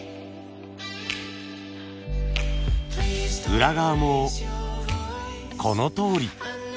裏側もこのとおり。